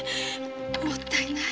もったいない。